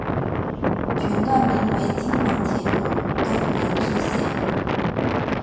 全段名为京广铁路邯和支线。